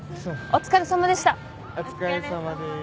お疲れさまです。